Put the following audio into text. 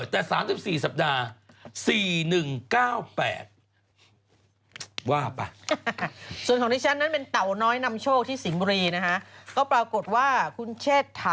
แต่๓๔สัปดาห์๔๑๙๘